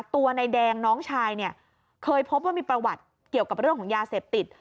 ตัวนายแดงน้องชายเนี่ยเคยพบว่ามีประวัติเกี่ยวกับเรื่องของยาเสพติด